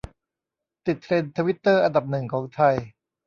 ติดเทรนด์ทวิตเตอร์อันดับหนึ่งของไทย